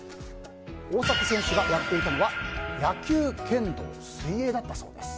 大迫選手がやっていたのは野球、剣道、水泳だったそうです。